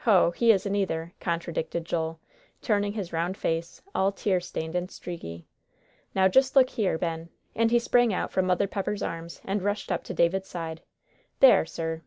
"Hoh! he isn't either," contradicted Joel, turning his round face, all tear stained and streaky. "Now just look here, Ben," and he sprang out from Mother Pepper's arms and rushed up to David's side. "There, sir!"